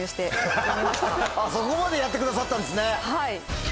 そこまでやってくださったんですね。